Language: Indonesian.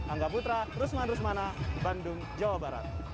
angga putra rusman rusmana bandung jawa barat